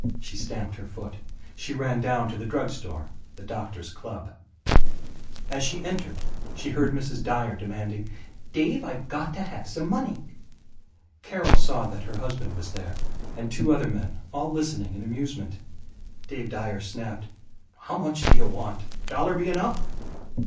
She stamped her foot. She ran down to the drug store the doctor's club. As she entered she heard Mrs. Dyer demanding, "Dave, I've got to have some money." Carol saw that her husband was there, and two other men, all listening in amusement. Dave Dyer snapped, "How much do you want? Dollar be enough?"